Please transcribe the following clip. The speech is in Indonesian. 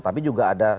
tapi juga ada